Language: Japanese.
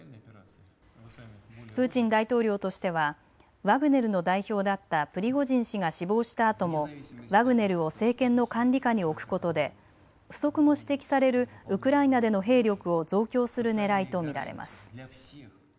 プーチン大統領としてはワグネルの代表だったプリゴジン氏が死亡したあともワグネルを政権の管理下に置くことで不足も指摘されるウクライナでの兵力を増強するねらいと見られます。